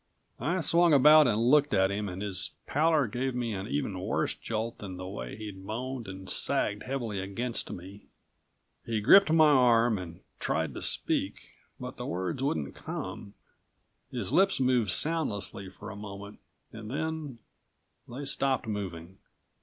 I swung about and looked at him, and his pallor gave me an even worse jolt than the way he'd moaned and sagged heavily against me. He gripped my arm and tried to speak, but the words wouldn't come. His lips moved soundlessly for a moment and then they stopped moving.